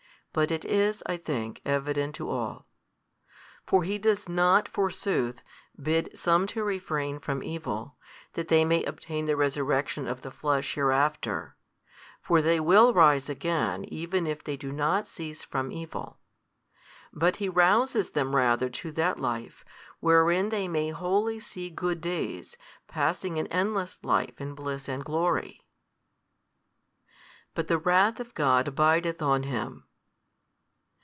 but it is, I think, evident to all. For he does not, forsooth, bid some to refrain from evil, that they may obtain the resurrection of the flesh hereafter (for they will rise again even if they do not cease from evil), but he rouses them rather to that life, wherein they may wholly see good days, passing an endless life in bliss and glory. but the wrath of God abideth on him.